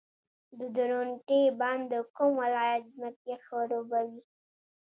د درونټې بند د کوم ولایت ځمکې خړوبوي؟